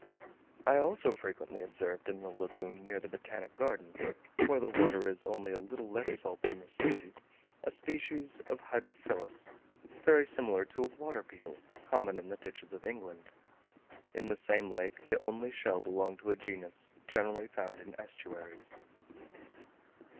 I also frequently observed in the lagoon near the Botanic Garden, where the water is only a little less salt than in the sea, a species of hydrophilus, very similar to a water beetle common in the ditches of England: in the same lake the only shell belonged to a genus generally found in estuaries.